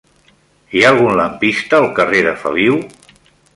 Hi ha algun lampista al carrer de Feliu?